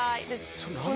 それ何だ？